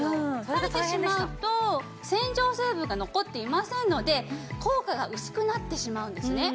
たれてしまうと洗浄成分が残っていませんので効果が薄くなってしまうんですね。